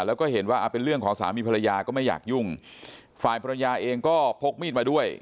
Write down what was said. แล้วก็เห็นว่าเป็นเรื่องของสามีภรรยาก็ไม่อยากยุ่งฝ่ายภรรยาเองก็พกมีดมาด้วย